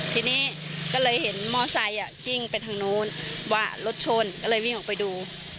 ทีนี้ก็เลยเห็นมอไซคิ้งไปทางนู้นว่ารถชนก็เลยวิ่งออกไปดู